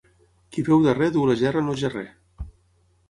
Qui beu darrer duu la gerra en el gerrer.